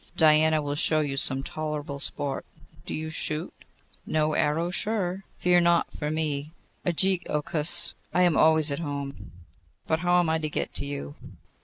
Diana will show you some tolerable sport. Do you shoot?' 'No arrow surer. Fear not for me, Ægiochus: I am always at home. But how am I to get to you?